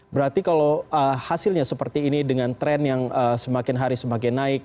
berarti kalau hasilnya seperti ini dengan tren yang semakin hari semakin naik